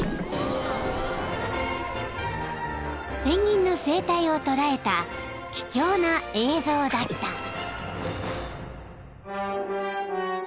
［ペンギンの生態を捉えた貴重な映像だった］